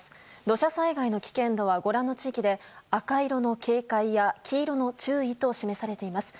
土砂災害の危険度はご覧の地域で赤色の警戒や黄色の注意と示されています。